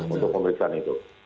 untuk pemeriksaan itu